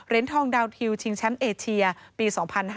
เหรนทองดาวน์ฮิวชิงแชมป์เอเชียปี๒๕๕๔